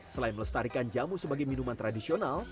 selain melestarikan jamu sebagai minuman tradisional